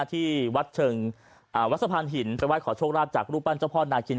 ที่วัดเชิงวัดสะพานหินไปไห้ขอโชคลาภจากรูปปั้นเจ้าพ่อนาคิน